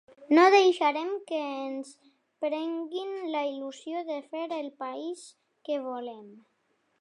No deixarem que ens prenguin la il·lusió de fer el país que volem.